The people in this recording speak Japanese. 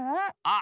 あ